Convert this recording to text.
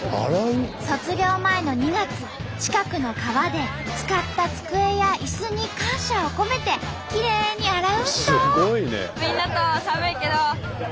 卒業前の２月近くの川で使った机や椅子に感謝を込めてきれいに洗うんと。